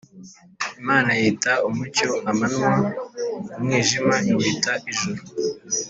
Imana yita umucyo amanywa, umwijima iwita ijoro.